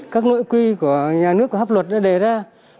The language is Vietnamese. các nội quy của nhà nước của hấp luật đã đề ra